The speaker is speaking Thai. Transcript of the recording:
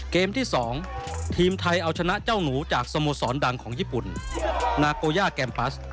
ที่๒ทีมไทยเอาชนะเจ้าหนูจากสโมสรดังของญี่ปุ่นนาโกย่าแกมปัส